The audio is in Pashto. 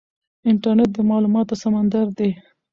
انټرنیټ د معلوماتو سمندر دی.